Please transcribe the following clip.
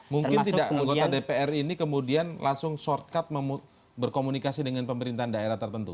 mungkin tidak anggota dpr ini kemudian langsung shortcut berkomunikasi dengan pemerintahan daerah tertentu